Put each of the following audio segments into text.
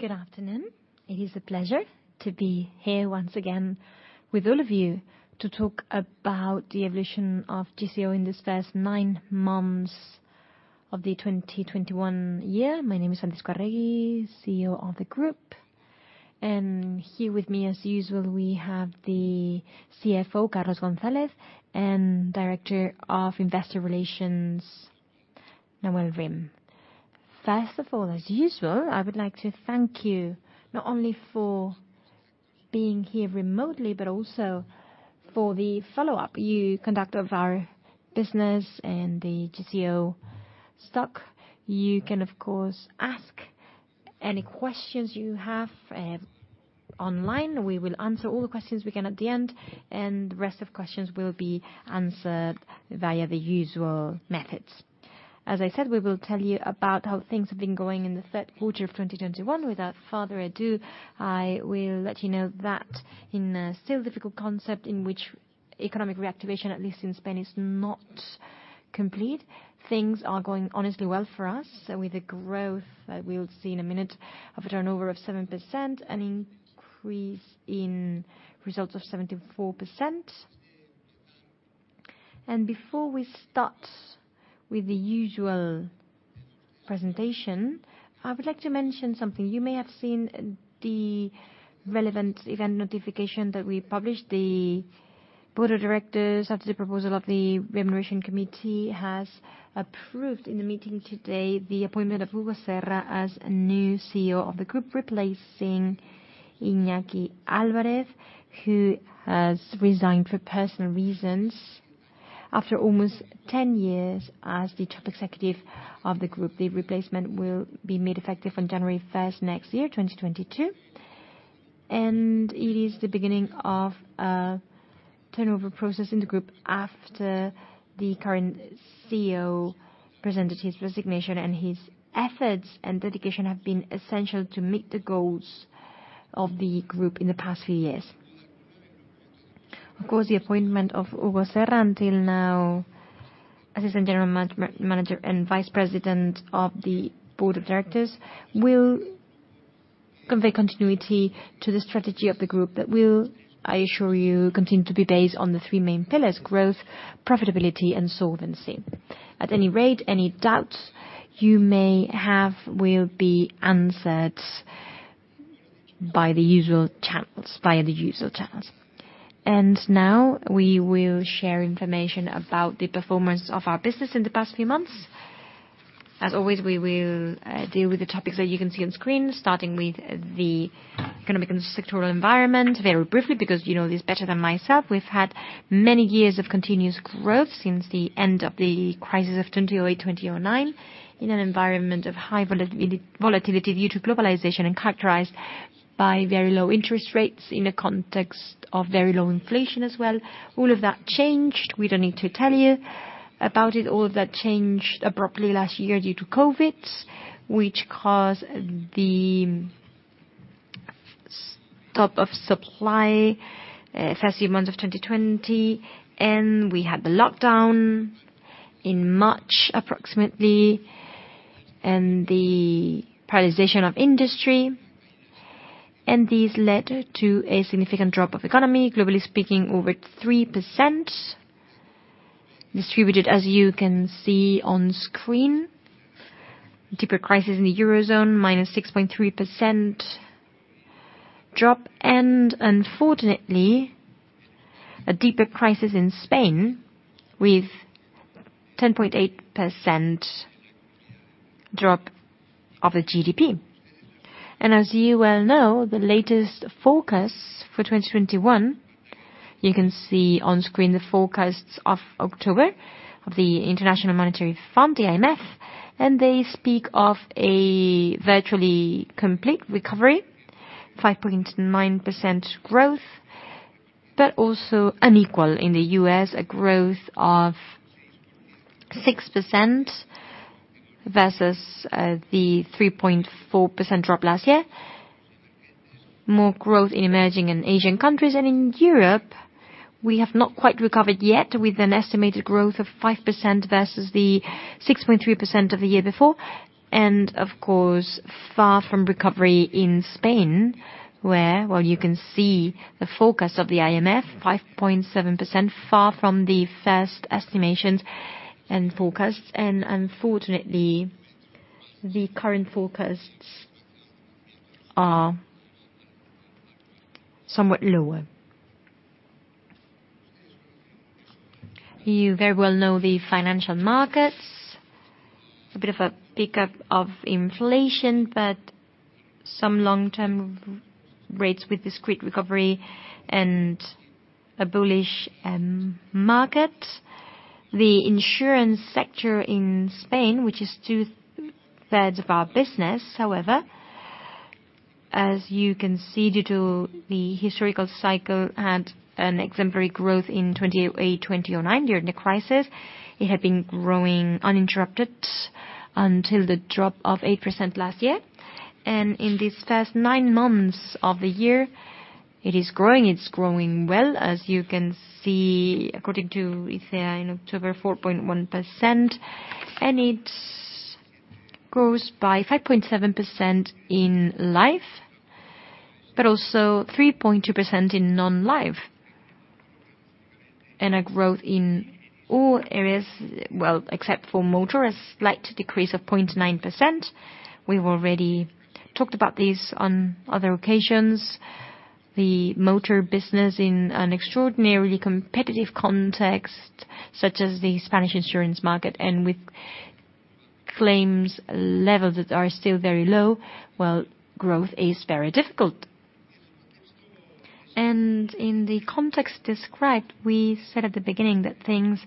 Good afternoon. It is a pleasure to be here once again with all of you to talk about the evolution of GCO in this first 9 months of the 2021 year. My name is José Ignacio Álvarez Juste, CEO of the group, and here with me, as usual, we have the CFO, Carlos Felipe González Bailac, and Director of Investor Relations, Nawal Rim. First of all, as usual, I would like to thank you not only for being here remotely, but also for the follow-up you conduct of our business and the GCO stock. You can, of course, ask any questions you have online. We will answer all the questions we can at the end, and the rest of questions will be answered via the usual methods. As I said, we will tell you about how things have been going in the Q3 of 2021. Without further ado, I will let you know that in a still difficult context in which economic reactivation, at least in Spain, is not complete, things are going honestly well for us, with the growth that we'll see in a minute of a turnover of 7%, an increase in results of 74%. Before we start with the usual presentation, I would like to mention something. You may have seen the relevant event notification that we published. The board of directors, at the proposal of the Remuneration Committee, has approved in the meeting today the appointment of Hugo Serra as a new CEO of the group, replacing Iñaki Álvarez, who has resigned for personal reasons after almost ten years as the top executive of the group. The replacement will be made effective on January 1st, 2022, and it is the beginning of a turnover process in the group after the current CEO presented his resignation, and his efforts and dedication have been essential to meet the goals of the group in the past few years. Of course, the appointment of Hugo Serra, until now Assistant General Manager and Vice President of the Board of Directors, will convey continuity to the strategy of the group that will, I assure you, continue to be based on the 3 main pillars, growth, profitability, and solvency. At any rate, any doubts you may have will be answered by the usual channels. Now we will share information about the performance of our business in the past few months. As always, we will deal with the topics that you can see on screen, starting with the economic and sectoral environment very briefly, because you know this better than myself. We've had many years of continuous growth since the end of the crisis of 2008, 2009, in an environment of high volatility due to globalization and characterized by very low interest rates in a context of very low inflation as well. All of that changed. We don't need to tell you about it. All of that changed abruptly last year due to COVID, which caused the stop of supply first few months of 2020, and we had the lockdown in March, approximately, and the paralysis of industry, and these led to a significant drop in the economy, globally speaking, over 3% distributed as you can see on screen. Deeper crisis in the Eurozone, -6.3% drop, and unfortunately, a deeper crisis in Spain with 10.8% drop of the GDP. As you well know, the latest forecast for 2021, you can see on screen the forecasts of October of the International Monetary Fund, the IMF, and they speak of a virtually complete recovery, 5.9% growth, but also unequal. In the U.S., a growth of 6% versus the 3.4% drop last year. More growth in emerging and Asian countries. In Europe, we have not quite recovered yet, with an estimated growth of 5% versus the 6.3% of the year before. Of course, far from recovery in Spain, where, well, you can see the forecast of the IMF, 5.7%, far from the 1st estimations and forecasts. Unfortunately, the current forecasts are somewhat lower. You very well know the financial markets. A bit of a pickup of inflation, but some long-term real rates with decent recovery and a bullish market. The insurance sector in Spain, which is 2/3 of our business, however, as you can see, due to the historical cycle and an exemplary growth in 2008, 2009, during the crisis, it had been growing uninterrupted until the drop of 8% last year. In this first 9 months of the year, it is growing. It's growing well, as you can see, according to ICEA in October, 4.1%. And it grows by 5.7% in life, but also 3.2% in non-life. A growth in all areas, well, except for motor, a slight decrease of 0.9%. We've already talked about this on other occasions. The motor business in an extraordinarily competitive context, such as the Spanish insurance market, and with claims levels that are still very low, well, growth is very difficult. In the context described, we said at the beginning that things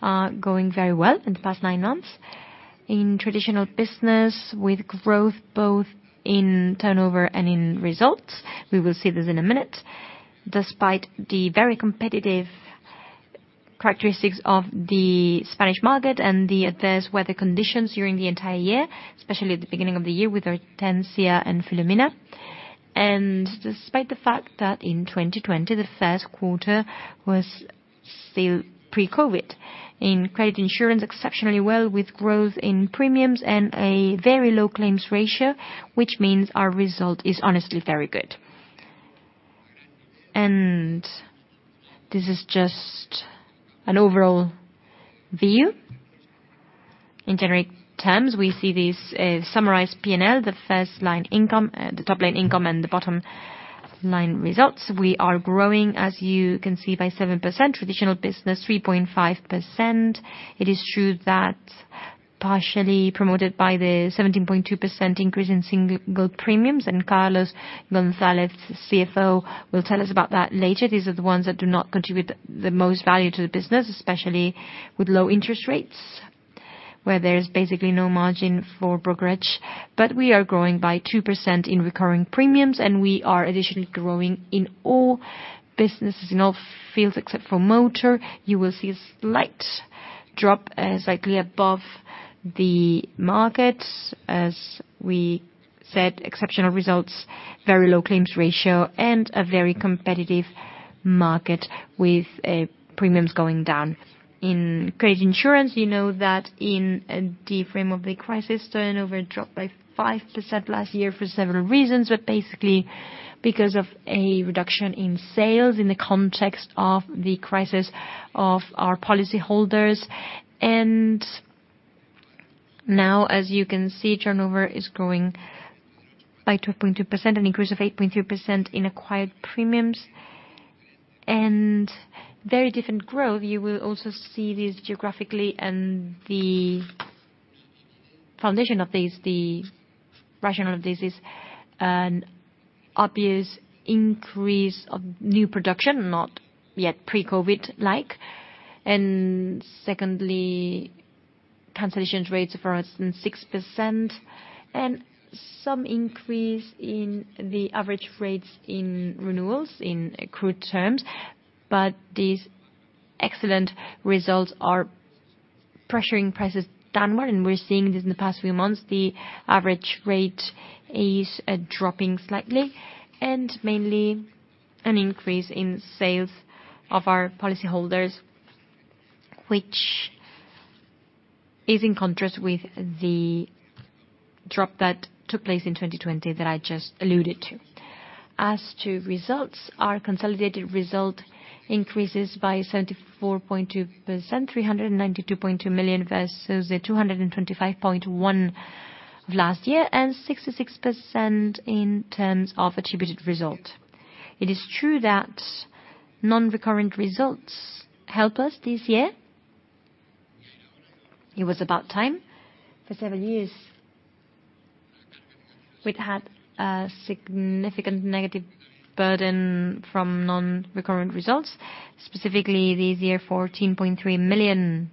are going very well in the past nine months. In traditional business, with growth both in turnover and in results. We will see this in a minute. Despite the very competitive characteristics of the Spanish market and the adverse weather conditions during the entire year, especially at the beginning of the year with Hortense and Filomena. Despite the fact that in 2020, the Q1 was still pre-COVID. In credit insurance, exceptionally well with growth in premiums and a very low claims ratio, which means our result is honestly very good. This is just an overall view. In generic terms, we see this summarized P&L, the 1st line income, the top line income and the bottom line results. We are growing, as you can see, by 7%. Traditional business, 3.5%. It is true that partially promoted by the 17.2% increase in single premiums, and Carlos Gonzalez, CFO, will tell us about that later. These are the ones that do not contribute the most value to the business, especially with low interest rates, where there is basically no margin for brokerage. We are growing by 2% in recurring premiums, and we are additionally growing in all businesses, in all fields, except for motor. You will see a slight drop, slightly above the markets. As we said, exceptional results, very low claims ratio, and a very competitive market with premiums going down. In credit insurance, you know that in the frame of the crisis, turnover dropped by 5% last year for several reasons, basically because of a reduction in sales in the context of the crisis of our policyholders. Now, as you can see, turnover is growing by 2.2%, an increase of 8.2% in acquired premiums, very different growth. You will also see this geographically. The foundation of this, the rationale of this is an obvious increase of new production, not yet pre-COVID like. Secondly, cancellation rates of around 6%, and some increase in the average rates in renewals in crude terms. These excellent results are pressuring prices downward, and we're seeing this in the past few months. The average rate is dropping slightly, and mainly an increase in sales of our policyholders, which is in contrast with the drop that took place in 2020 that I just alluded to. As to results, our consolidated result increases by 74.2%, 392.2 million versus the 225.1 million of last year, and 66% in terms of attributed result. It is true that non-recurrent results help us this year. It was about time. For seven years, we'd had a significant negative burden from non-recurrent results, specifically this year, 14.3 million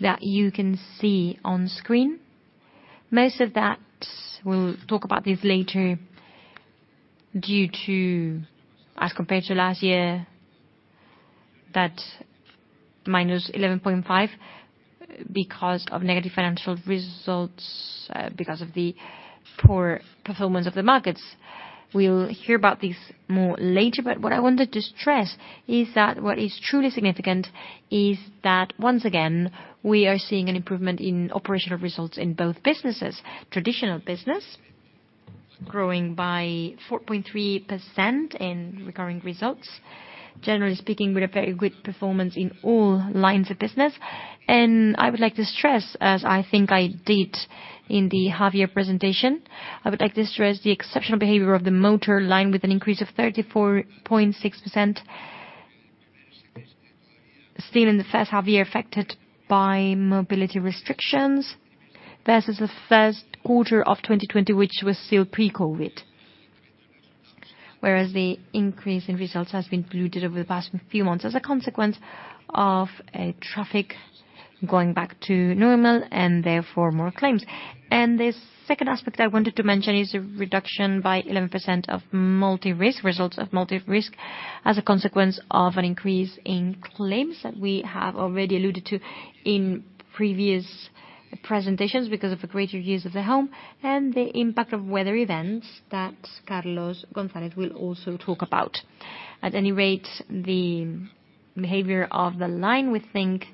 that you can see on screen. Most of that, we'll talk about this later, due to, as compared to last year, that minus 11.5 million because of negative financial results, because of the poor performance of the markets. We'll hear about this more later. What I wanted to stress is that what is truly significant is that once again, we are seeing an improvement in operational results in both businesses. Traditional business growing by 4.3% in recurring results. Generally speaking, with a very good performance in all lines of business. I would like to stress, as I think I did in the half year presentation, I would like to stress the exceptional behavior of the motor line with an increase of 34.6%. Still in the H1 year affected by mobility restrictions versus the Q1 of 2020, which was still pre-COVID. Whereas the increase in results has been diluted over the past few months as a consequence of traffic going back to normal and therefore more claims. The 2nd aspect I wanted to mention is a reduction by 11% of multi-risk results. As a consequence of an increase in claims that we have already alluded to in previous presentations because of the greater use of the home, and the impact of weather events that Carlos Gonzalez will also talk about. At any rate, the behavior of the line we think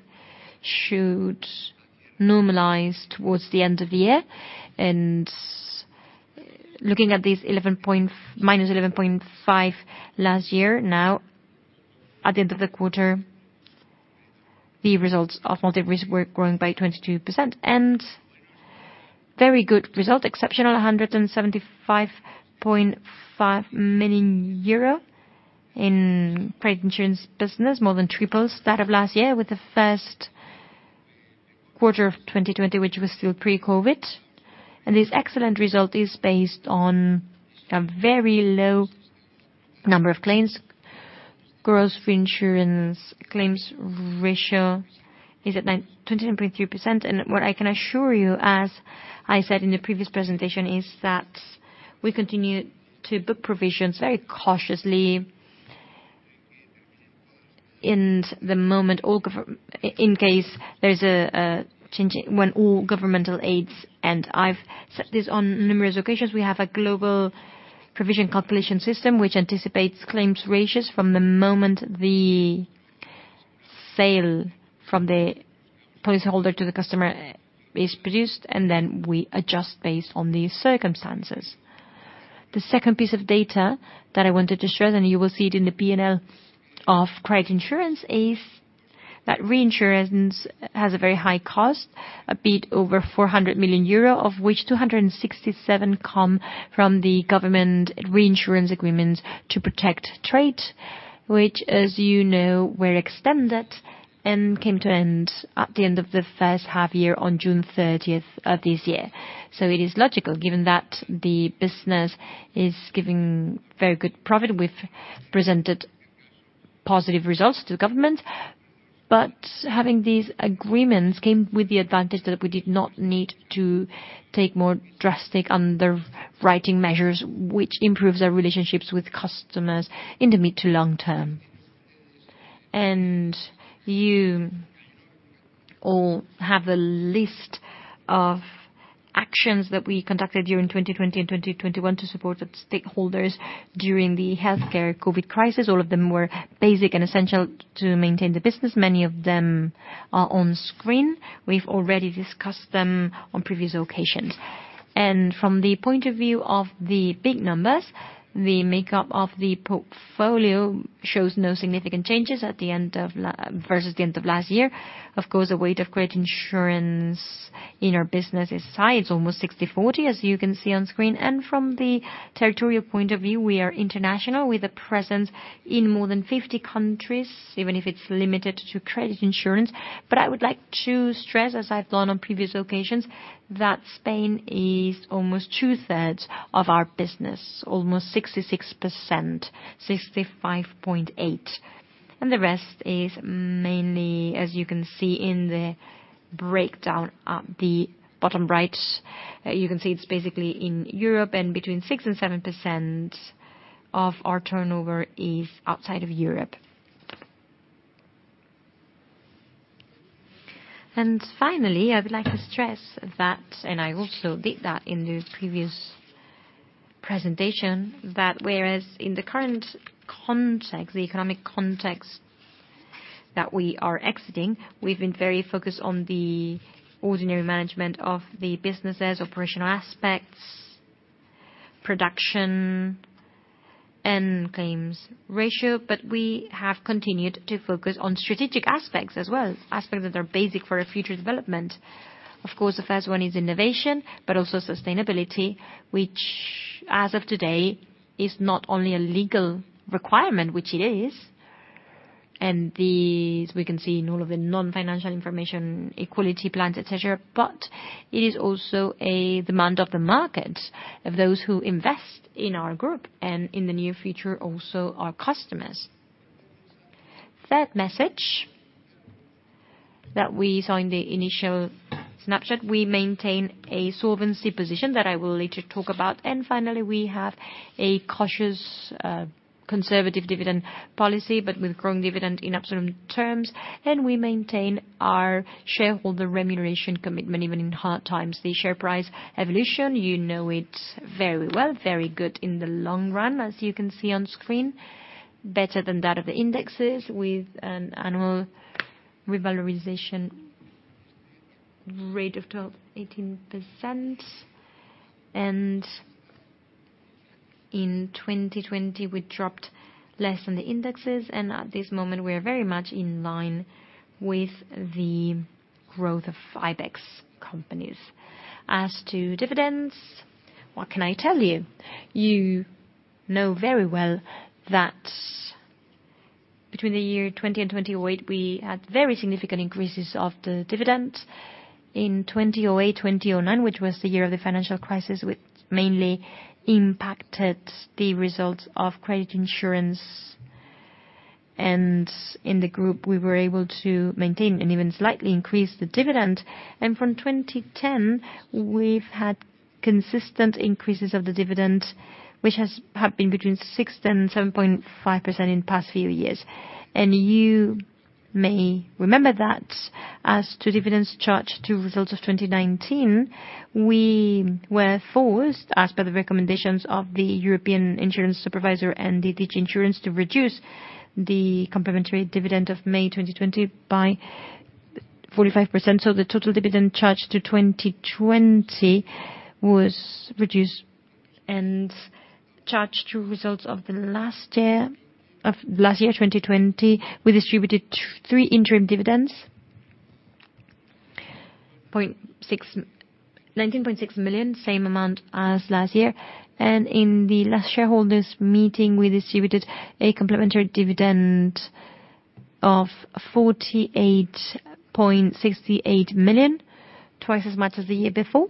should normalize towards the end of the year. Looking at these -11.5% last year. Now, at the end of the quarter, the results of multi-risk were growing by 22%. Very good result, exceptional 175.5 million euro in credit insurance business, more than triple that of last year with the Q1 of 2020, which was still pre-COVID. This excellent result is based on a very low number of claims. Gross reinsurance claims ratio is at 29.3%. What I can assure you, as I said in the previous presentation, is that we continue to book provisions very cautiously. In case there's a change in all governmental aids, and I've said this on numerous occasions, we have a global provision calculation system which anticipates claims ratios from the moment the sale from the policy holder to the customer is produced, and then we adjust based on these circumstances. The 2nd piece of data that I wanted to show, you will see it in the P&L of credit insurance, is that reinsurance has a very high cost, a bit over 400 million euro, of which 267 million come from the government reinsurance agreements to protect trade. Which, as you know, were extended and came to end at the end of the H1 year on June 30th of this year. It is logical, given that the business is giving very good profit. We've presented positive results to government. Having these agreements came with the advantage that we did not need to take more drastic underwriting measures, which improves our relationships with customers in the mid to long term. You all have the list of actions that we conducted during 2020 and 2021 to support the stakeholders during the healthcare COVID crisis. All of them were basic and essential to maintain the business. Many of them are on screen. We've already discussed them on previous occasions. From the point of view of the big numbers, the makeup of the portfolio shows no significant changes at the end of laversus the end of last year. Of course, the weight of credit insurance in our business is high. It's almost 60/40, as you can see on screen. From the territorial point of view, we are international, with a presence in more than 50 countries, even if it's limited to credit insurance. I would like to stress, as I've done on previous occasions, that Spain is almost 2/3 of our business, almost 66%, 65.8. The rest is mainly, as you can see in the breakdown at the bottom right, you can see it's basically in Europe, and between 6% and 7% of our turnover is outside of Europe. Finally, I would like to stress that, and I also did that in the previous presentation, that whereas in the current context, the economic context that we are exiting, we've been very focused on the ordinary management of the businesses, operational aspects, production, and claims ratio. We have continued to focus on strategic aspects as well, aspects that are basic for our future development. Of course, the first 1 is innovation, but also sustainability, which, as of today, is not only a legal requirement, which it is, and these we can see in all of the non-financial information, equality plans, et cetera, but it is also a demand of the market, of those who invest in our group and in the near future also our customers. 3rd message that we saw in the initial snapshot, we maintain a solvency position that I will later talk about. Finally, we have a cautious, conservative dividend policy, but with growing dividend in absolute terms, and we maintain our shareholder remuneration commitment even in hard times. The share price evolution, you know it very well, very good in the long run, as you can see on screen. Better than that of the indexes, with an annual revalorization rate of 12% to 18%. In 2020 we dropped less than the indexes, and at this moment we are very much in line with the growth of IBEX companies. As to dividends, what can I tell you? You know very well that between 2008 and 2020, we had very significant increases of the dividend. In 2008, 2009, which was the year of the financial crisis, which mainly impacted the results of credit insurance. In the group, we were able to maintain and even slightly increase the dividend. From 2010, we've had consistent increases of the dividend, which have been between 6% to 7.5% in past few years. You may remember that as to dividends charged to results of 2019, we were forced, as per the recommendations of EIOPA and DGSFP, to reduce the complementary dividend of May 2020 by 45%. The total dividend charged to 2020 was reduced. Charged to results of the last year, 2020, we distributed 3 interim dividends. 19.6 million, same amount as last year. In the last shareholders meeting, we distributed a complimentary dividend of 48.68 million, twice as much as the year before,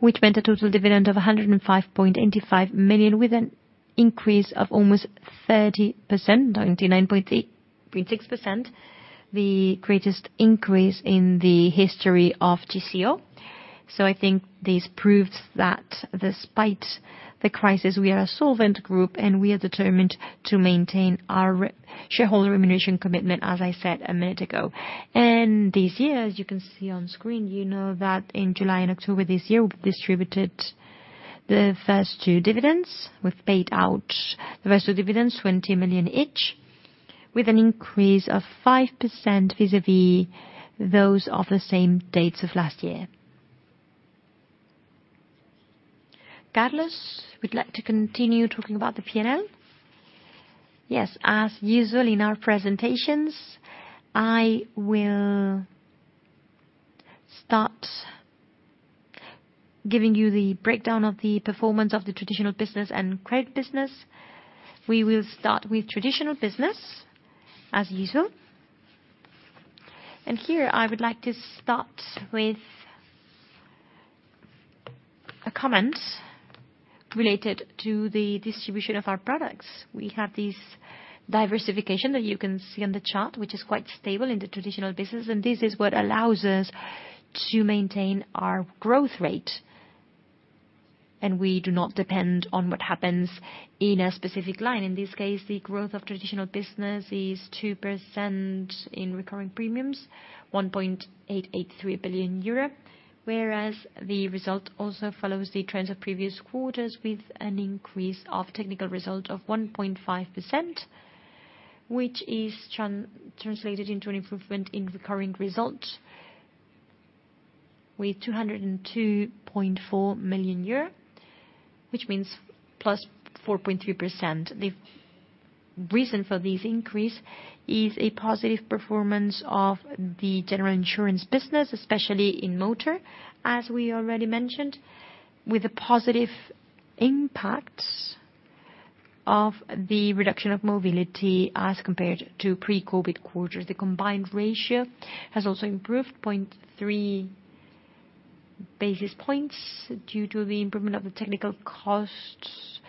which meant a total dividend of 105.85 million, with an increase of almost 30%, 99.86%, the greatest increase in the history of GCO. I think this proves that despite the crisis, we are a solvent group, and we are determined to maintain our shareholder remuneration commitment, as I said a minute ago. This year, as you can see on screen, you know that in July and October this year, we distributed the first 2 dividends. We've paid out the rest of dividends, 20 million each, with an increase of 5% vis-a-vis those of the same dates of last year. Carlos would like to continue talking about the P&L. Yes, as usual in our presentations, I will start giving you the breakdown of the performance of the traditional business and credit business. We will start with traditional business, as usual. Here I would like to start with a comment related to the distribution of our products. We have this diversification that you can see on the chart, which is quite stable in the traditional business. This is what allows us to maintain our growth rate, and we do not depend on what happens in a specific line. In this case, the growth of traditional business is 2% in recurring premiums, 1.883 billion euro, whereas the result also follows the trends of previous quarters, with an increase of technical result of 1.5%, which is translated into an improvement in recurring results with EUR 202.4 million, which means +4.2%. The reason for this increase is a positive performance of the general insurance business, especially in motor, as we already mentioned, with the positive impacts of the reduction of mobility as compared to pre-COVID quarters. The combined ratio has also improved 0.3 basis points due to the improvement of the technical costs,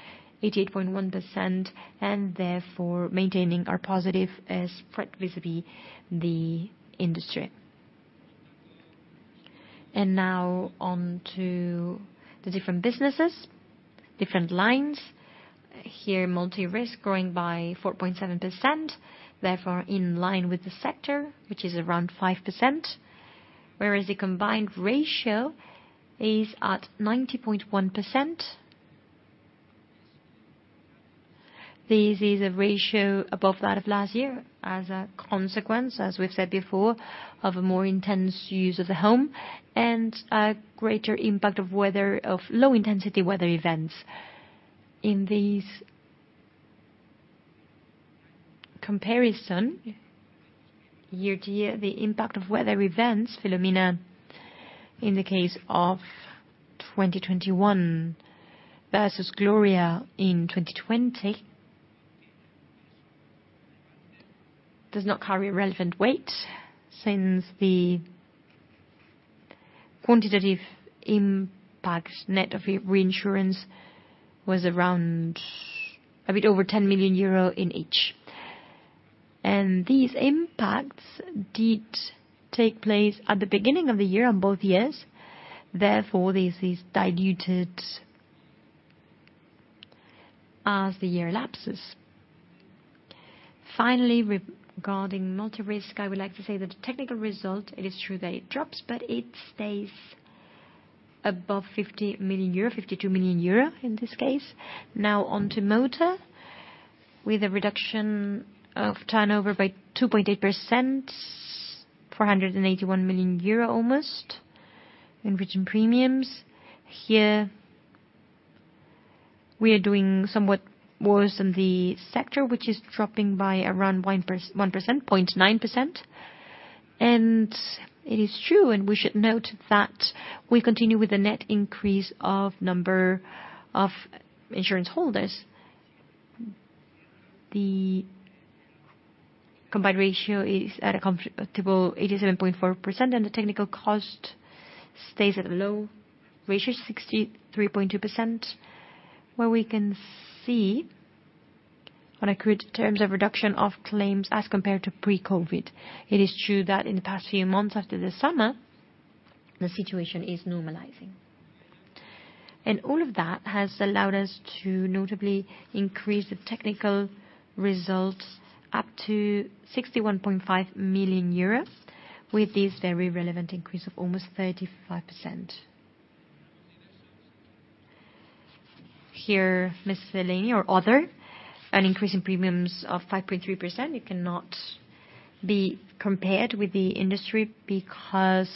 88.1%, and therefore maintaining our positive spread vis-a-vis the industry. Now on to the different businesses, different lines. Here, multi-risk growing by 4.7%; therefore, in line with the sector, which is around 5%, whereas the combined ratio is at 90.1%. This is a ratio above that of last year as a consequence, as we've said before, of a more intense use of the home and a greater impact of weather, of low-intensity weather events. In this comparison year-to-year, the impact of weather events, Filomena in the case of 2021 versus Gloria in 2020, does not carry relevant weight, since the quantitative impact net of reinsurance was around a bit over 10 million euro in each. These impacts did take place at the beginning of the year on both years. Therefore, this is diluted as the year elapses. Finally, regarding multi-risk, I would like to say that the technical result, it is true that it drops, but it stays above 50 million euro, 52 million euro in this case. Now on to motor, with a reduction of turnover by 2.8%, 481 million euro almost in written premiums. Here we are doing somewhat worse than the sector, which is dropping by around 1%, 0.9%. It is true, we should note that we continue with the net increase of number of insurance holders. The combined ratio is at a comfortable 87.4%, and the technical cost stays at a low ratio 63.2%, where we can see in crude terms a reduction of claims as compared to pre-COVID. It is true that in the past few months after the summer, the situation is normalizing. All of that has allowed us to notably increase the technical results up to 61.5 million euros, with this very relevant increase of almost 35%. Here, Ms. Fellini or other. An increase in premiums of 5.3%, it cannot be compared with the industry because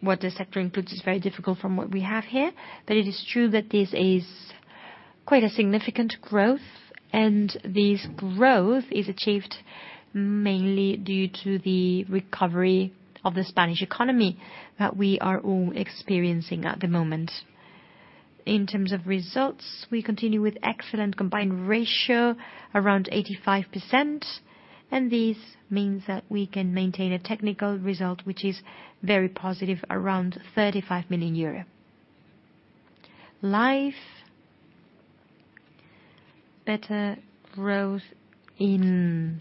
what the sector includes is very different from what we have here. It is true that this is quite a significant growth, and this growth is achieved mainly due to the recovery of the Spanish economy that we are all experiencing at the moment. In terms of results, we continue with excellent combined ratio, around 85%, and this means that we can maintain a technical result which is very positive, around 35 million euro. Life. Better growth in...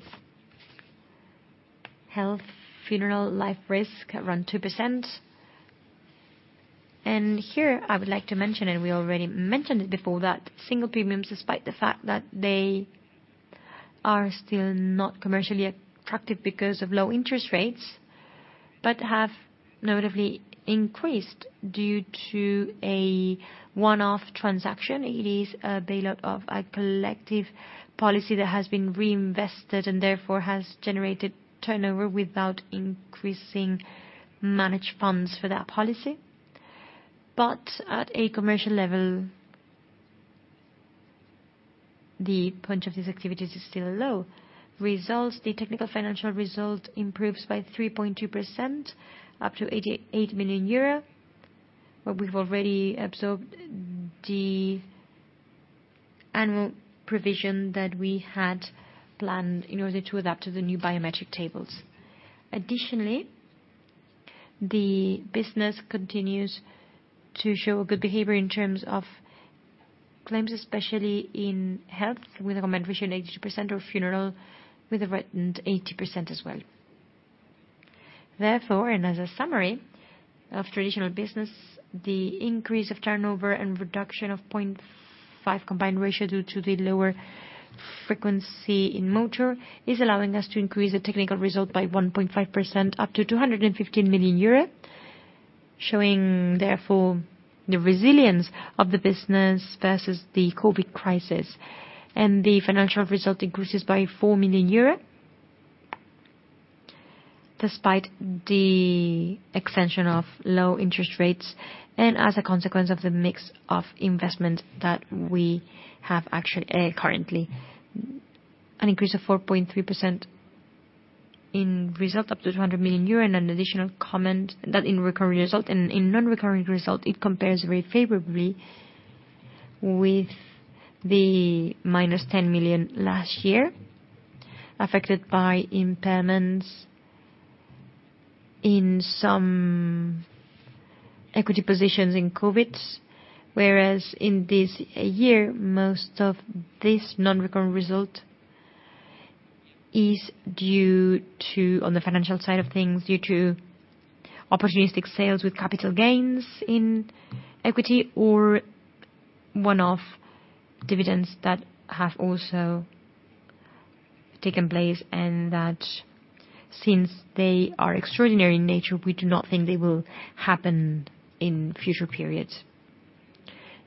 Health, funeral, life risk, around 2%. Here I would like to mention, and we already mentioned it before, that single premiums, despite the fact that they are still not commercially attractive because of low interest rates, but have notably increased due to a one-off transaction. It is a bailout of a collective policy that has been reinvested and therefore has generated turnover without increasing managed funds for that policy. At a commercial level, the point of these activities is still low. Results, the technical financial result improves by 3.2%, up to 88 million euro. We've already absorbed the annual provision that we had planned in order to adapt to the new biometric tables. Additionally, the business continues to show good behavior in terms of claims, especially in health, with a combined ratio 82% for funeral, with around 80% as well. Therefore, as a summary of traditional business, the increase of turnover and reduction of 0.5 combined ratio due to the lower frequency in motor is allowing us to increase the technical result by 1.5% up to 215 million euro, showing therefore the resilience of the business versus the COVID crisis. The financial result increases by 4 million euros. Despite the extension of low interest rates, and as a consequence of the mix of investment that we have actually, currently, an increase of 4.3% in result up to 200 million euro and an additional comment that in recurring result and in non-recurring result, it compares very favorably with the -10 million last year, affected by impairments in some equity positions in COVID. Whereas in this year, most of this non-recurring result is due to, on the financial side of things, due to opportunistic sales with capital gains in equity or one-off dividends that have also taken place and that since they are extraordinary in nature, we do not think they will happen in future periods.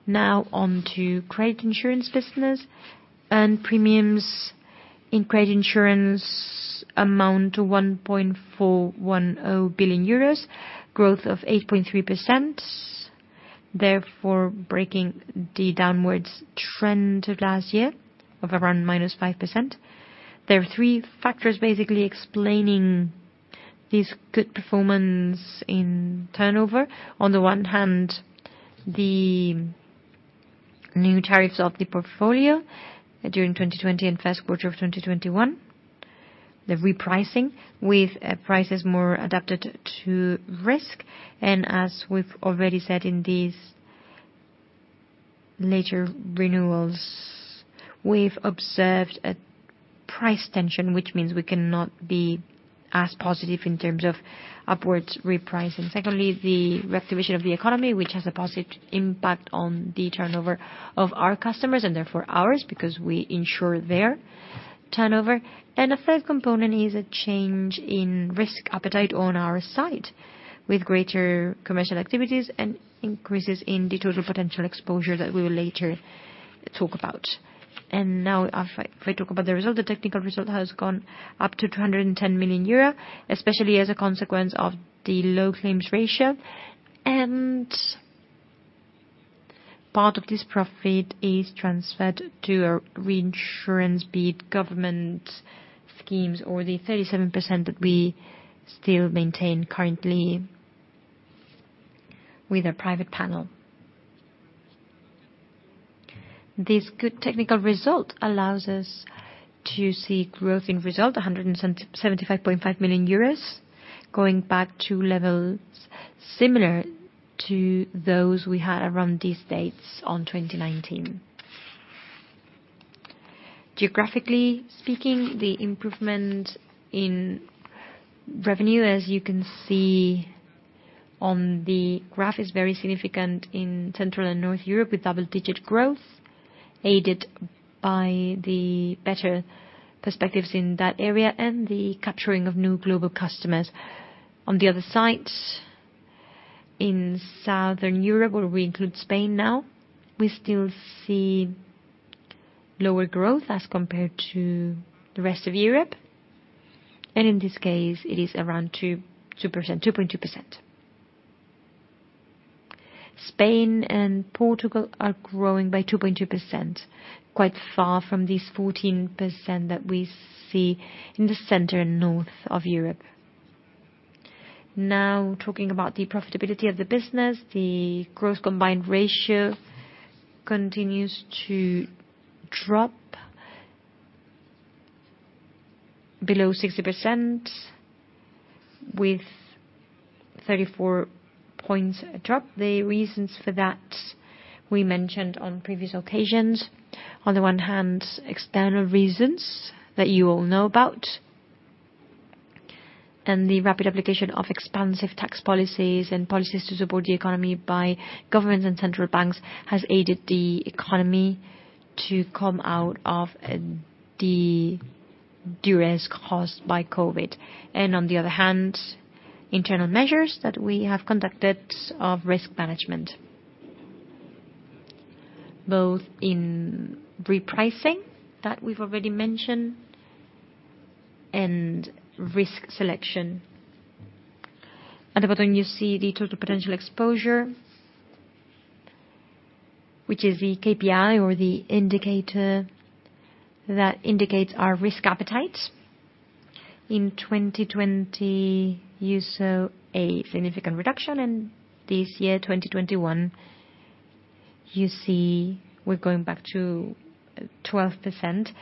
Now on to credit insurance business and premiums in credit insurance amount to 1.410 billion euros. Growth of 8.3%, therefore breaking the downward trend of last year of around -5%. There are 3 factors basically explaining this good performance in turnover. On the one hand, the new tariffs of the portfolio during 2020 and Q1 of 2021, the repricing with prices more adapted to risk. As we've already said in these later renewals, we've observed a price tension, which means we cannot be as positive in terms of upwards repricing. Secondly, the reactivation of the economy, which has a positive impact on the turnover of our customers, and therefore ours, because we ensure their turnover. The 3rd component is a change in risk appetite on our side, with greater commercial activities and increases in the total potential exposure that we will later talk about. Now, if I talk about the result, the technical result has gone up to 210 million euro, especially as a consequence of the low claims ratio. Part of this profit is transferred to a reinsurance, be it government schemes or the 37% that we still maintain currently with our private panel. This good technical result allows us to see growth in result 175.5 million euros, going back to levels similar to those we had around these dates on 2019. Geographically speaking, the improvement in revenue, as you can see on the graph, is very significant in Central and North Europe with double-digit growth, aided by the better perspectives in that area and the capturing of new global customers. On the other side, in Southern Europe, where we include Spain now, we still see lower growth as compared to the rest of Europe, and in this case, it is around 2.2%. Spain and Portugal are growing by 2.2%, quite far from this 14% that we see in the center and north of Europe. Now talking about the profitability of the business. The combined ratio continues to drop below 60% with 34-point drop. The reasons for that we mentioned on previous occasions. On the one hand, external reasons that you all know about. The rapid application of expansive tax policies and policies to support the economy by governments and central banks has aided the economy to come out of the duress caused by COVID. On the other hand, internal measures that we have conducted of risk management, both in repricing that we've already mentioned and risk selection. At the bottom, you see the total potential exposure, which is the KPI or the indicator that indicates our risk appetite. In 2020, you saw a significant reduction, and this year, 2021, you see we're going back to 12%.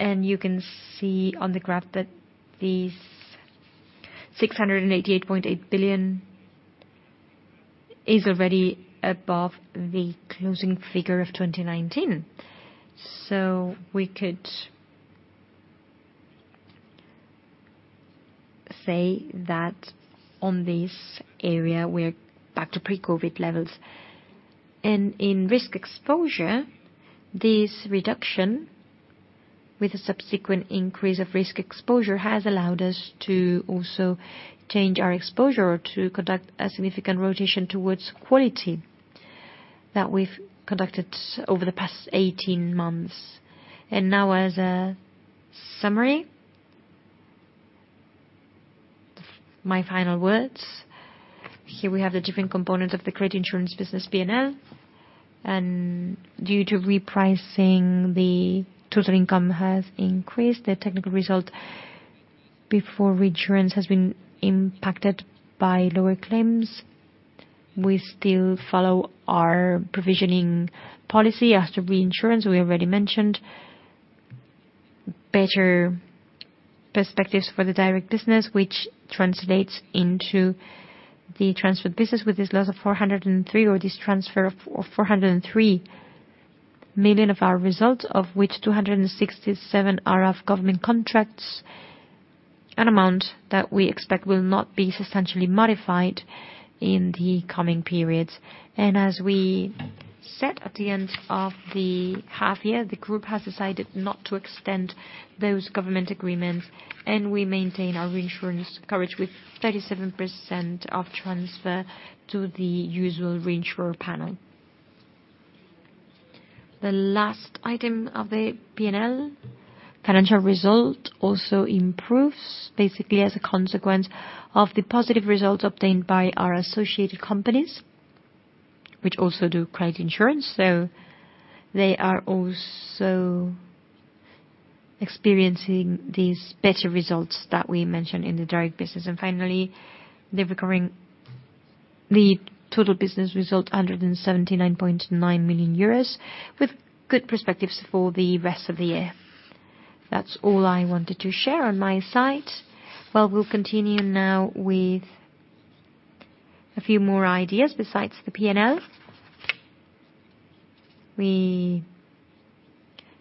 You can see on the graph that these EUR 688.8 billion is already above the closing figure of 2019. We could say that on this area, we're back to pre-COVID levels. In risk exposure, this reduction with a subsequent increase of risk exposure, has allowed us to also change our exposure to conduct a significant rotation towards quality that we've conducted over the past 18 months. Now as a summary, my final words. Here we have the different components of the credit insurance business P&L. Due to repricing, the total income has increased. The technical result before reinsurance has been impacted by lower claims. We still follow our provisioning policy. As to reinsurance, we already mentioned. Better perspectives for the direct business, which translates into the transferred business with this loss of 403 million, or this transfer of 403 million of our results, of which 267 million are of government contracts, an amount that we expect will not be substantially modified in the coming periods. As we said at the end of the half year, the group has decided not to extend those government agreements, and we maintain our reinsurance coverage with 37% of transfer to the usual reinsurer panel. The last item of the P&L, financial result also improves basically as a consequence of the positive results obtained by our associated companies, which also do credit insurance. They are also experiencing these better results that we mentioned in the direct business. Finally, the total business result, 179.9 million euros, with good perspectives for the rest of the year. That's all I wanted to share on my side. Well, we'll continue now with a few more ideas besides the P&L. We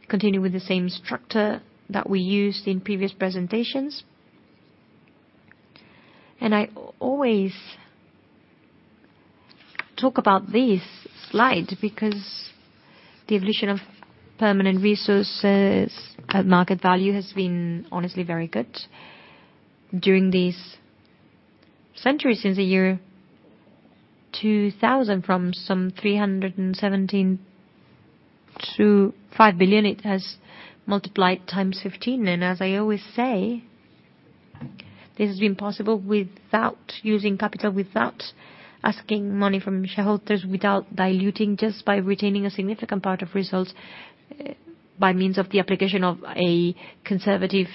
continue with the same structure that we used in previous presentations. I always talk about this slide because the evolution of permanent resources at market value has been honestly very good during these years, since the year 2000. From 317 million to 5 billion, it has multiplied 15 times. As I always say, this has been possible without using capital, without asking money from shareholders, without diluting, just by retaining a significant part of results by means of the application of a conservative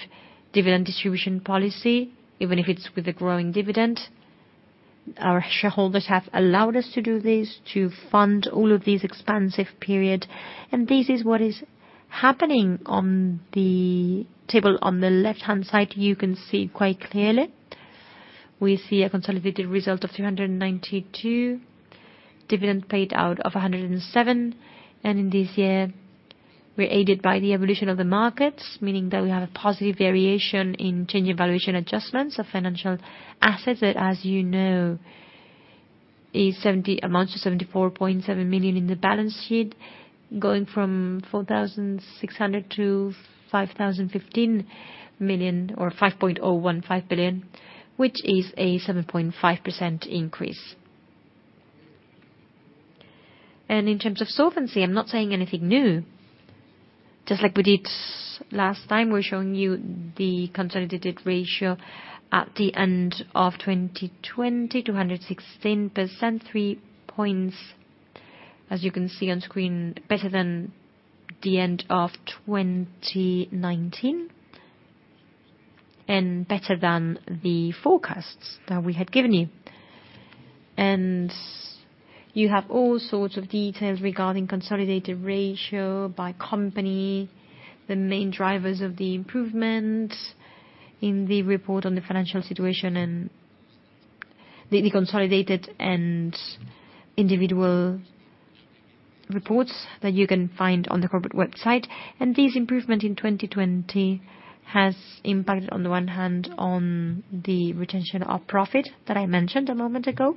dividend distribution policy, even if it's with a growing dividend. Our shareholders have allowed us to do this, to fund all of these expansive period. This is what is happening. On the table on the left-hand side, you can see quite clearly. We see a consolidated result of 392, dividend paid out of 107. In this year we're aided by the evolution of the markets, meaning that we have a positive variation in change evaluation adjustments of financial assets that, as you know, amounts to 74.7 million in the balance sheet, going from 4,600 million to 5,015 million, or 5.015 billion, which is a 7.5% increase. In terms of solvency, I'm not saying anything new. Just like we did last time, we're showing you the consolidated ratio at the end of 2020, 216%, 3 points, as you can see on screen, better than the end of 2019, and better than the forecasts that we had given you. You have all sorts of details regarding combined ratio by company, the main drivers of the improvements in the report on the financial situation and consolidated and individual reports that you can find on the corporate website. This improvement in 2020 has impacted, on the one hand, on the retention of profit that I mentioned a moment ago,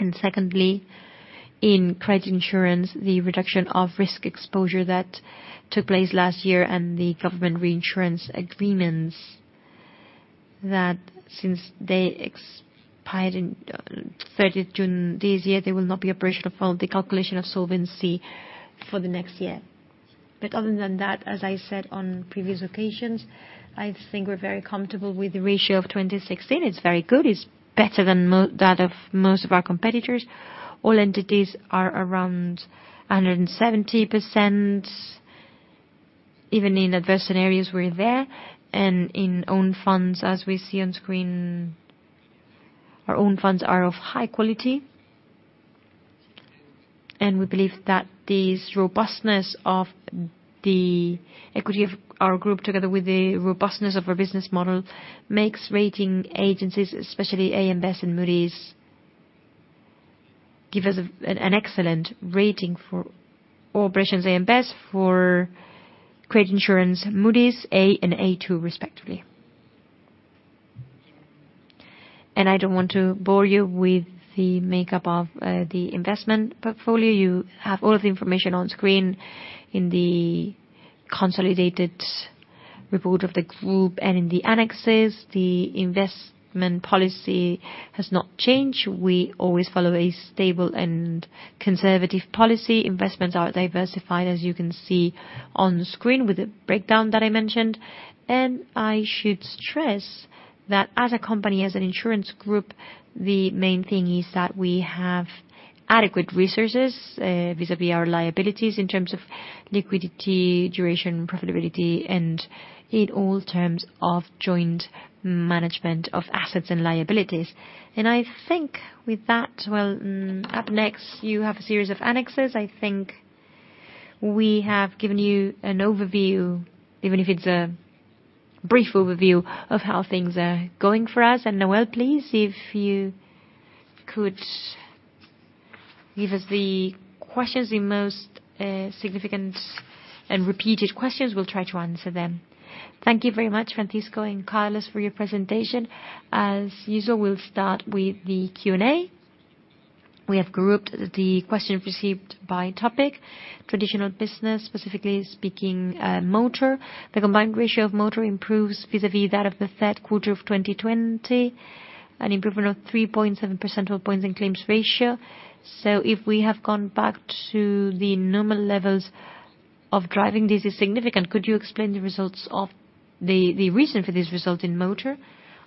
and secondly, in credit insurance, the reduction of risk exposure that took place last year and the government reinsurance agreements that, since they expired in 30th June this year, they will not be operational for the calculation of solvency for the next year. Other than that, as I said on previous occasions, I think we're very comfortable with the ratio of 216%. It's very good. It's better than that of most of our competitors. All entities are around 170%. Even in adverse scenarios we're there. In own funds, as we see on screen, our own funds are of high quality. We believe that this robustness of the equity of our group, together with the robustness of our business model, makes rating agencies, especially AM Best and Moody's, give us an excellent rating for operations AM Best for credit insurance, Moody's A and A2 respectively. I don't want to bore you with the makeup of the investment portfolio. You have all of the information on screen in the consolidated report of the group and in the annexes. The investment policy has not changed. We always follow a stable and conservative policy. Investments are diversified, as you can see on screen, with the breakdown that I mentioned. I should stress that as a company, as an insurance group, the main thing is that we have adequate resources vis-à-vis our liabilities in terms of liquidity, duration, profitability, and in all terms of joint management of assets and liabilities. I think with that, up next you have a series of annexes. I think we have given you an overview, even if it's a brief overview, of how things are going for us. Nawal, please, if you could give us the questions, the most significant and repeated questions. We'll try to answer them. Thank you very much, Francisco and Carlos, for your presentation. As usual, we'll start with the Q&A. We have grouped the questions received by topic. Traditional business, specifically speaking, motor. The combined ratio of motor improves vis-à-vis that of the Q3 of 2020, an improvement of 3.7 percentage points in claims ratio. If we have gone back to the normal levels of driving, this is significant. Could you explain the reason for this result in motor?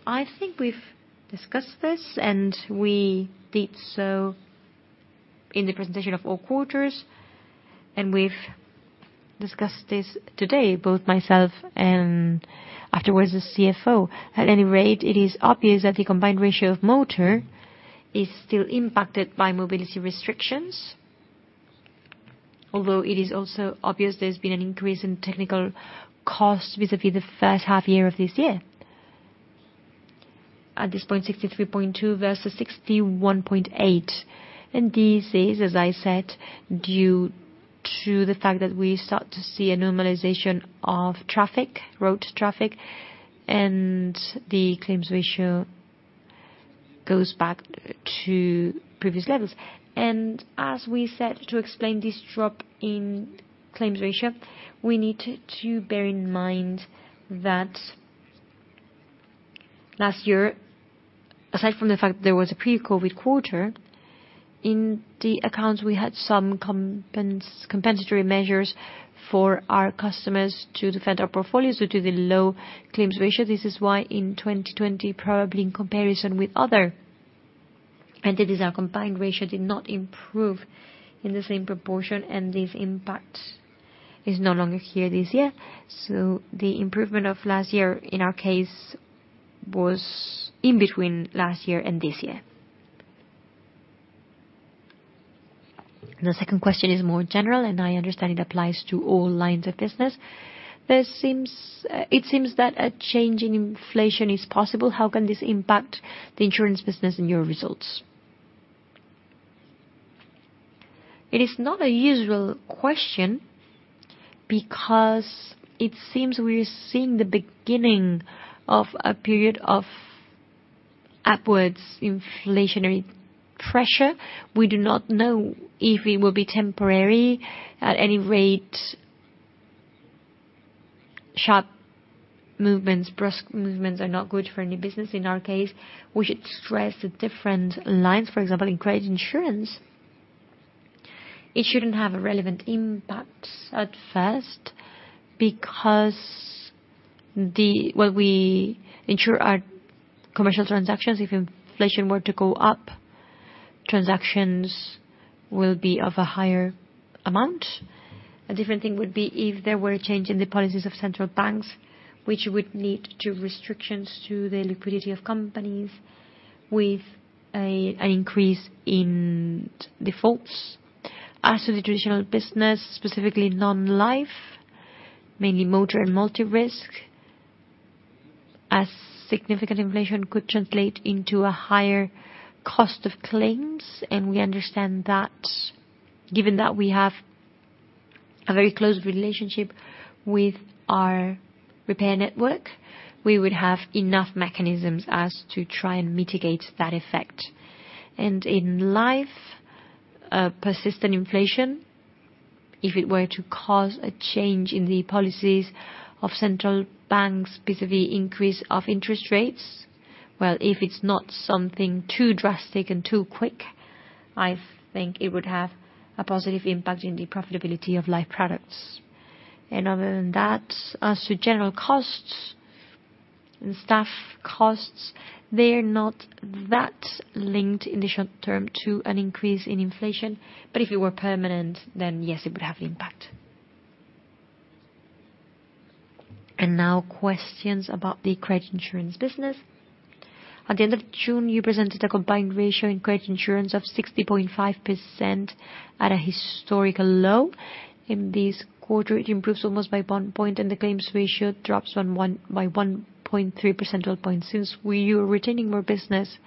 I think we've discussed this, and we did so in the presentation of all quarters, and we've discussed this today, both myself and afterwards the CFO. At any rate, it is obvious that the combined ratio of motor is still impacted by mobility restrictions. Although it is also obvious there's been an increase in technical costs vis-à-vis the H1 year of this year. At this point, 63.2 versus 61.8. This is, as I said, due to the fact that we start to see a normalization of traffic, road traffic, and the claims ratio goes back to previous levels. As we said, to explain this drop in claims ratio, we need to bear in mind that last year, aside from the fact that there was a pre-COVID quarter, in the accounts we had some compensatory measures for our customers to defend our portfolios due to the low claims ratio. This is why in 2020, probably in comparison with other entities, our combined ratio did not improve in the same proportion, and this impact is no longer here this year. The improvement of last year in our case was in between last year and this year. The 2nd question is more general, and I understand it applies to all lines of business. It seems that a change in inflation is possible. How can this impact the insurance business and your results? It is not a usual question, because it seems we are seeing the beginning of a period of upward inflationary pressure. We do not know if it will be temporary. At any rate, sharp movements, brisk movements are not good for any business. In our case, we should stress the different lines. For example, in credit insurance, it shouldn't have a relevant impact at 1st because when we insure our commercial transactions, if inflation were to go up, transactions will be of a higher amount. A different thing would be if there were a change in the policies of central banks, which would lead to restrictions to the liquidity of companies with an increase in defaults. As to the traditional business, specifically non-life, mainly motor and multi-risk, significant inflation could translate into a higher cost of claims, and we understand that. Given that we have a very close relationship with our repair network, we would have enough mechanisms as to try and mitigate that effect. In life, persistent inflation, if it were to cause a change in the policies of central banks vis-a-vis increase of interest rates, well, if it's not something too drastic and too quick, I think it would have a positive impact in the profitability of life products. Other than that, as to general costs and staff costs, they're not that linked in the short term to an increase in inflation. If it were permanent, then yes, it would have impact. Now questions about the credit insurance business. At the end of June, you presented a combined ratio in credit insurance of 60.5% at a historical low. In this quarter, it improves almost by 1 point, and the claims ratio drops by 1.3 percentage points. Since we are retaining more business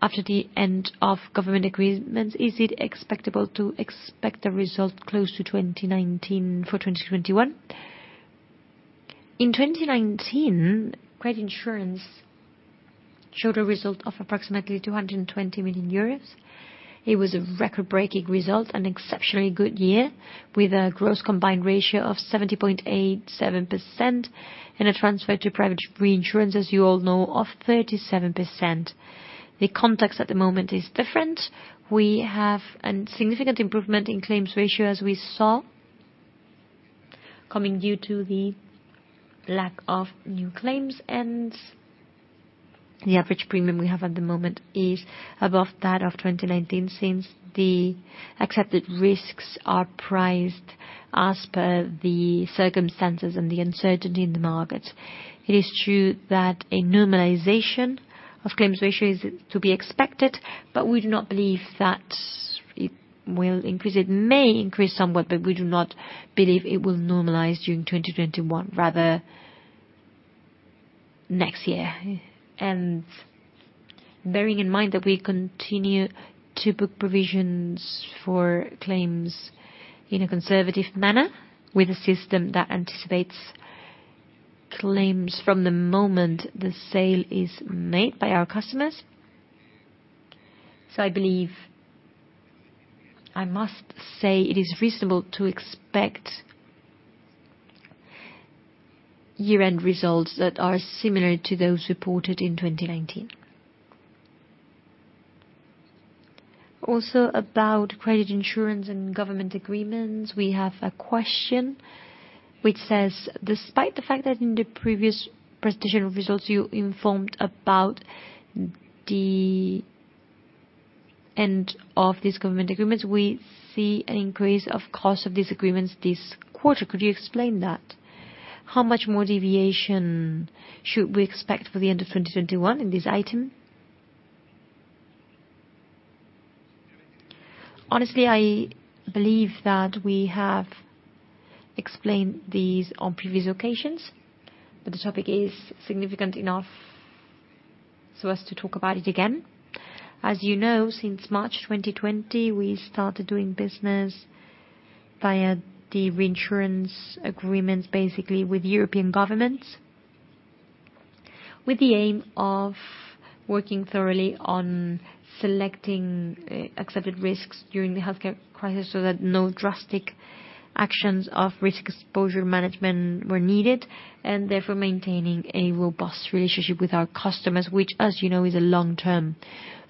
after the end of government agreements, is it expectable to expect a result close to 2019 for 2021? In 2019, credit insurance showed a result of approximately 220 million euros. It was a record-breaking result, an exceptionally good year, with a gross combined ratio of 70.87% and a transfer to private reinsurance, as you all know, of 37%. The context at the moment is different. We have a significant improvement in claims ratio, as we saw, coming due to the lack of new claims. The average premium we have at the moment is above that of 2019, since the accepted risks are priced as per the circumstances and the uncertainty in the market. It is true that a normalization of claims ratio is to be expected, but we do not believe that it will increase. It may increase somewhat, but we do not believe it will normalize during 2021, rather next year. Bearing in mind that we continue to book provisions for claims in a conservative manner with a system that anticipates claims from the moment the sale is made by our customers. I believe I must say it is reasonable to expect year-end results that are similar to those reported in 2019. Also, about credit insurance and government agreements, we have a question which says: Despite the fact that in the previous presentation results you informed about the end of these government agreements, we see an increase of cost of these agreements this quarter. Could you explain that? How much more deviation should we expect for the end of 2021 in this item? Honestly, I believe that we have explained these on previous occasions, but the topic is significant enough so as to talk about it again. As you know, since March 2020, we started doing business via the reinsurance agreements, basically with European governments, with the aim of working thoroughly on selecting accepted risks during the healthcare crisis so that no drastic actions of risk exposure management were needed, and therefore maintaining a robust relationship with our customers, which, as you know, is a long-term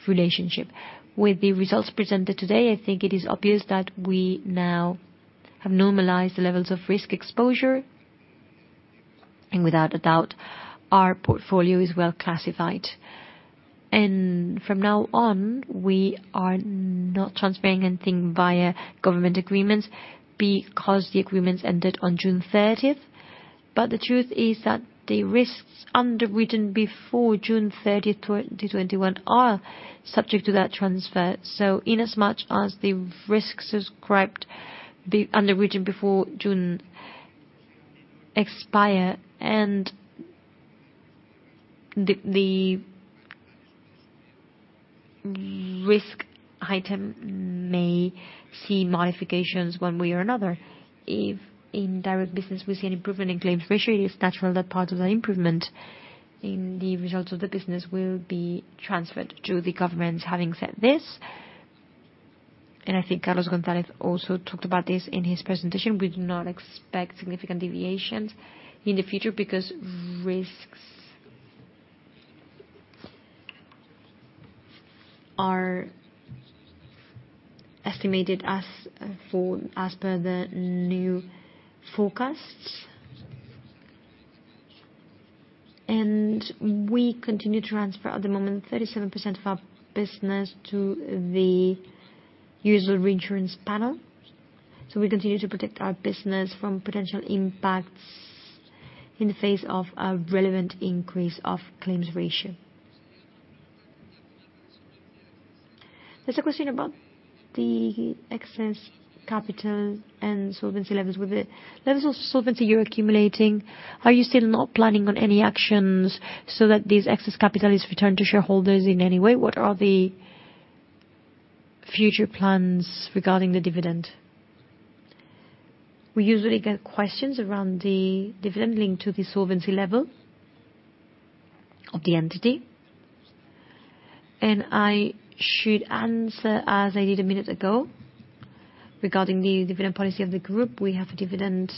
relationship. With the results presented today, I think it is obvious that we now have normalized the levels of risk exposure. Without a doubt, our portfolio is well classified. From now on, we are not transferring anything via government agreements because the agreements ended on June 30th. The truth is that the risks underwritten before June 30th, 2021 are subject to that transfer. Inasmuch as the risks underwritten before June expire and the risk item may see modifications one way or another. If in direct business we see an improvement in claims ratio, it is natural that part of the improvement in the results of the business will be transferred to the government. Having said this, and I think Carlos Gonzalez also talked about this in his presentation, we do not expect significant deviations in the future because risks are estimated as per the new forecasts. We continue to transfer at the moment 37% of our business to the usual reinsurance panel. We continue to protect our business from potential impacts in the face of a relevant increase of claims ratio. There's a question about the excess capital and solvency levels. With the levels of solvency you're accumulating, are you still not planning on any actions so that this excess capital is returned to shareholders in any way? What are the future plans regarding the dividend? We usually get questions around the dividend linked to the solvency level of the entity. I should answer as I did a minute ago, regarding the dividend policy of the group. We have a dividend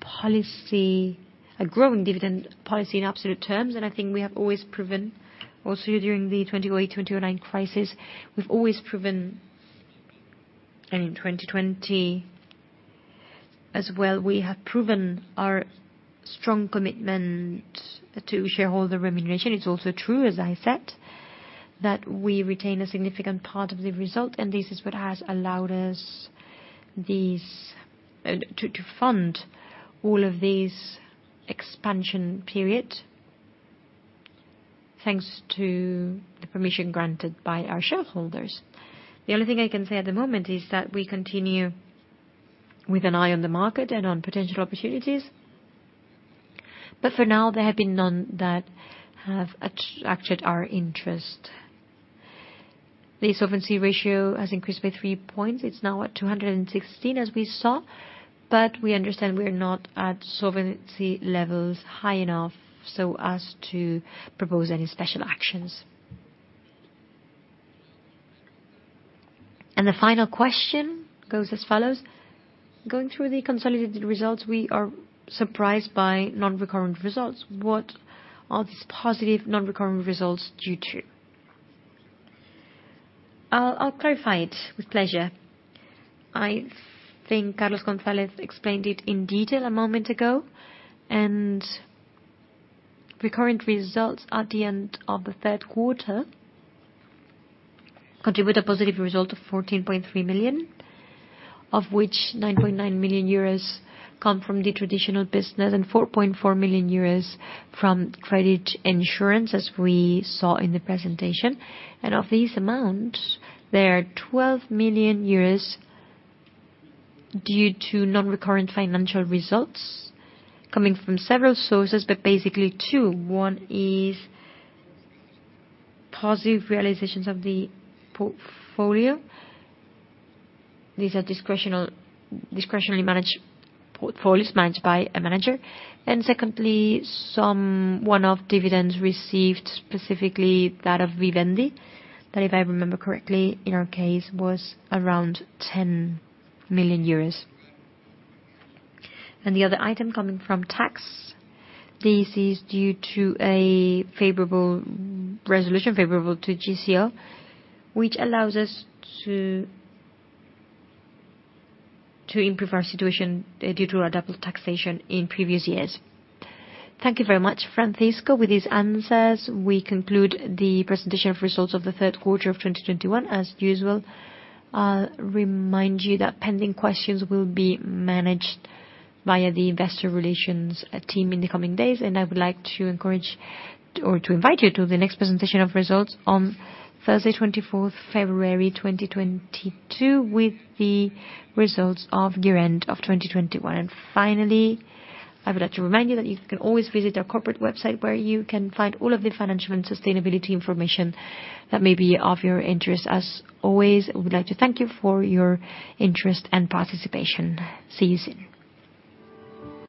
policy, a growing dividend policy in absolute terms, and I think we have always proven, also during the 2008, 2009 crisis, we've always proven, and in 2020 as well, we have proven our strong commitment to shareholder remuneration. It's also true, as I said, that we retain a significant part of the result, and this is what has allowed us to fund all of these expansion period, thanks to the permission granted by our shareholders. The only thing I can say at the moment is that we continue with an eye on the market and on potential opportunities. For now, there have been none that have attracted our interest. The solvency ratio has increased by 3 points. It's now at 216, as we saw. We understand we are not at solvency levels high enough so as to propose any special actions. The final question goes as follows: Going through the consolidated results, we are surprised by non-recurrent results. What are these positive non-recurrent results due to? I'll clarify it with pleasure. I think Carlos Gonzalez explained it in detail a moment ago. Recurrent results at the end of the Q3 contribute a positive result of 14.3 million, of which 9.9 million euros come from the traditional business and 4.4 million euros from credit insurance, as we saw in the presentation. Of these amounts, there are 12 million euros due to non-recurrent financial results coming from several sources, but basically 2. 1 is positive realizations of the portfolio. These are discretionally managed portfolios managed by a manager. Secondly, some one-off dividends received, specifically that of Vivendi, that if I remember correctly, in our case, was around 10 million euros. The other item coming from tax, this is due to a favorable resolution, favorable to GCO, which allows us to improve our situation due to our double taxation in previous years. Thank you very much, Francisco. With these answers, we conclude the presentation of results of the Q3 of 2021. As usual, I'll remind you that pending questions will be managed via the investor relations team in the coming days. I would like to encourage or to invite you to the next presentation of results on Thursday, 24TH February 2022, with the results of year-end of 2021. Finally, I would like to remind you that you can always visit our corporate website, where you can find all of the financial and sustainability information that may be of your interest. As always, we would like to thank you for your interest and participation. See you soon.